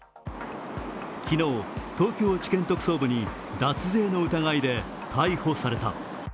昨日、東京地検特捜部に脱税の疑いで逮捕された。